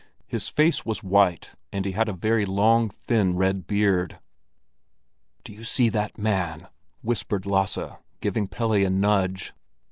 His face was white, and he had a very long, thin red beard. "Do you see that man?" whispered Lasse, giving Pelle a nudge.